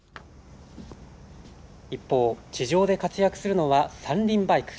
一方、地上で活躍するのは三輪バイク。